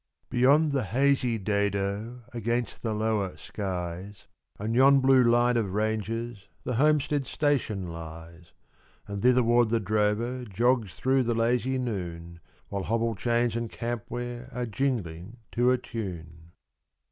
Beyond the hazy dado Against the lower skies, And yon blue line of ranges, The homestead station lies. And thitherward the drover Jogs through the lazy noon, While hobble chains and camp ware Are jingling to a tune.